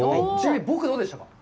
僕はどうでしたか？